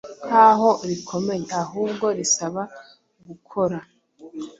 nk’aho rikomeye ahubwo risaba gukora